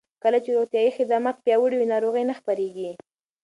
کله چې روغتیايي خدمات پیاوړي وي، ناروغۍ نه خپرېږي.